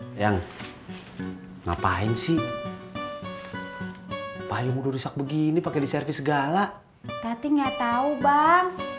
hai yang ngapain sih payung udah riset begini pakai di servis segala tapi nggak tahu bang